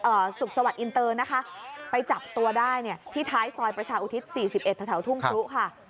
เอ่อสุขสวัสดิ์อินเตอร์นะคะไปจับตัวได้เนี่ยที่ท้ายซอยประชาอุทิศ๔๑แถวทุ่งกรุ๊คค่ะ